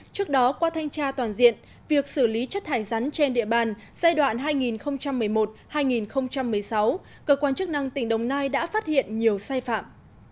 trước đó qua thanh tra toàn diện việc xử lý chất thải rắn trên địa bàn giai đoạn hai nghìn một mươi một hai nghìn một mươi sáu cơ quan chức năng tỉnh đồng nai đã phát hiện nhiều sai phạm